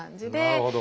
なるほど。